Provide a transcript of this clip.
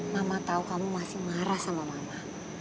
mama tahu kamu masih marah sama mama